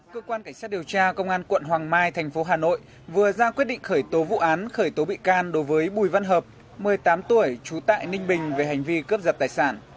cơ quan cảnh sát điều tra công an quận hoàng mai thành phố hà nội vừa ra quyết định khởi tố vụ án khởi tố bị can đối với bùi văn hợp một mươi tám tuổi trú tại ninh bình về hành vi cướp giật tài sản